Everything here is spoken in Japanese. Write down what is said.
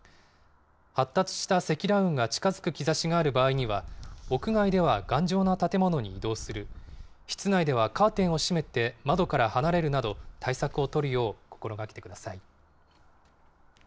発達した積乱雲が近づく兆しがある場合には、屋外では頑丈な建物に移動する、室内ではカーテンを閉めて窓から離れるなど、対策を取るよう心がけてください。